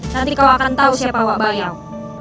nanti kamu akan tahu siapa wak bayau